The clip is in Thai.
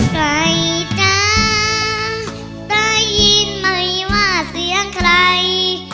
ไก่จ๊ะได้ยินไหมว่าเสียงใคร